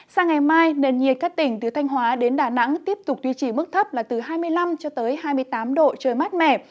sang ngày mai nền nhiệt các tỉnh từ thanh hóa đến đà nẵng tiếp tục duy trì mức thấp là từ hai mươi năm cho tới hai mươi tám độ trời mát mẻ